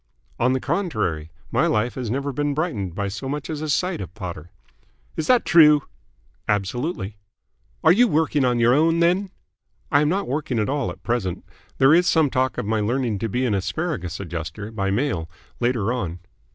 "On the contrary. My life has never been brightened by so much as a sight of Potter." "Is that true?" "Absolutely." "Are you working on your own, then?" "I am not working at all at present. There is some talk of my learning to be an Asparagus Adjuster by mail later on."